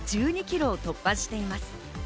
１２キロを突破しています。